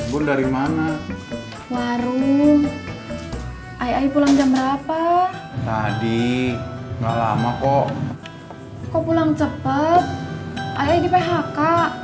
bunda dimana warung ayo pulang jam berapa tadi enggak lama kok kok pulang cepet ayo di phk